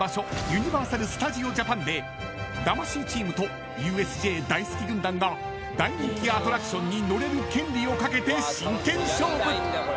ユニバーサル・スタジオ・ジャパンで魂チームとＵＳＪ大好き軍団が大人気アトラクションに乗れる権利を懸けて真剣勝負］